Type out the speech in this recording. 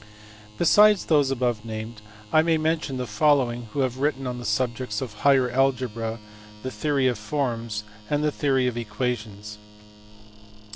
Besides those above named, I may mention the following who have written on the subjects of Higher Algebra, the Theory of Forms, and the Theory of Equations.